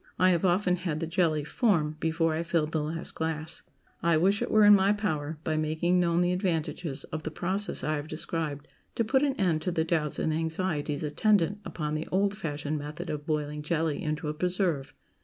I have often had the jelly "form" before I filled the last glass. I wish it were in my power, by making known the advantages of the process I have described, to put an end to the doubts and anxieties attendant upon the old fashioned method of boiling jelly into a preserve.